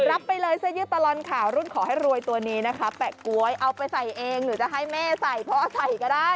รับไปเลยเสื้อยืดตลอดข่าวรุ่นขอให้รวยตัวนี้นะคะแปะก๊วยเอาไปใส่เองหรือจะให้แม่ใส่เพราะใส่ก็ได้